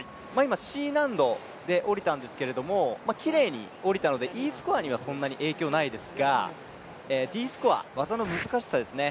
Ｃ難度で下りたんですけどきれいに下りたのでＥスコアにはそんなに影響ないですがＤスコア、技の難しさですね。